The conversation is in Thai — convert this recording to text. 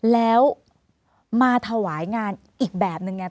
แล้วมาถวายงานอีกแบบนึงไง